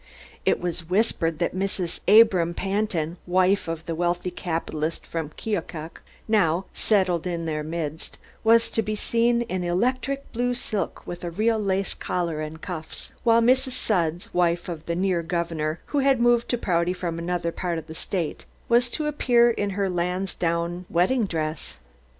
It was whispered that Mrs. Abram Pantin, wife of the wealthy capitalist from Keokuk, now "settled in their midst," was to be seen in electric blue silk with real lace collar and cuffs; while Mrs. Sudds, wife of a near governor, who had moved to Prouty from another part of the state, was to appear in her lansdowne wedding dress.